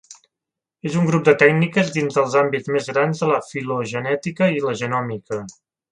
És un grup de tècniques dins dels àmbits més grans de la filogenètica i la genòmica.